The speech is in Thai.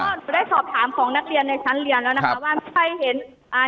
ก็ได้สอบถามของนักเรียนในชั้นเรียนแล้วนะคะว่าใครเห็นอ่า